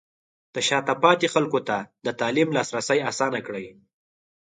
د شاته پاتې خلکو ته د تعلیم لاسرسی اسانه کړئ.